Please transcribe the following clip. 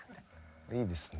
いいですね。